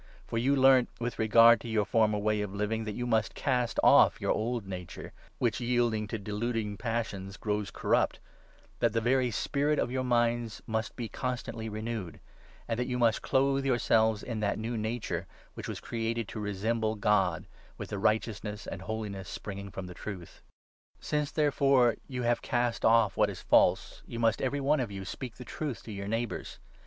For you learnt with regard to your former 22 way of living that you must cast off your old nature, which, yielding to deluding passions, grows corrupt ; that the very 23 spirit of your minds must be constantly renewed ; and that 24 you must clothe yourselves in that new nature which was created to resemble God, with the righteousness and holiness springing from the Truth. s. 68. 18. 894 EPHESIANS, 4 5. precepts Since, therefore, you have cast off what is 25 for the false, ' you must every one of you speak the Daily Life, truth to your neighbours.